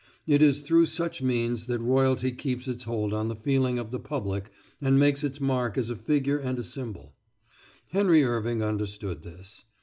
It is through such means that royalty keeps its hold on the feeling of the public and makes its mark as a figure and a symbol. Henry Irving understood this.